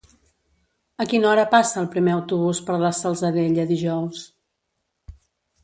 A quina hora passa el primer autobús per la Salzadella dijous?